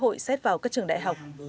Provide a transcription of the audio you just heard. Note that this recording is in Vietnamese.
cơ hội xét vào các trường đại học